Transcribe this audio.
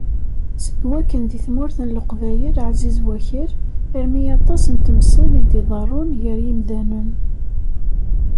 Seg wakken di tmurt n Lqbayel εziz wakal, armi aṭas n temsal i iḍerrun gar yimdanen.